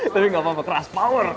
tapi gak apa apa keras power